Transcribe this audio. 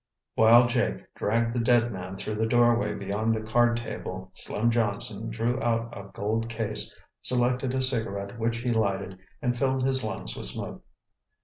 While Jake dragged the dead man through the doorway beyond the card table, Slim Johnson drew out a gold case, selected a cigarette which he lighted, and filled his lungs with smoke.